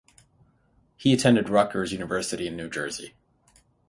He attended Rutgers University in New Jersey.